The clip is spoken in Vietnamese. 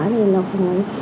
thì nó không